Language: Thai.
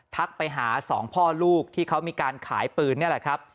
ทักไปหาสองพ่อลูกที่เขามีการขายปืนนี่แหละครับ